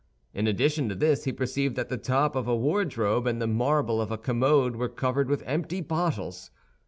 In addition to this he perceived that the top of a wardrobe and the marble of a commode were covered with empty bottles.